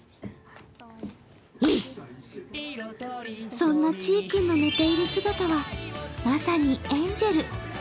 そんなちいくんの寝ている姿はまさにエンジェル。